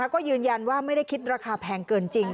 ก็ยืนยันว่าไม่ได้คิดราคาแพงเกินจริง